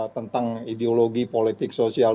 tentang ideologi politik sosial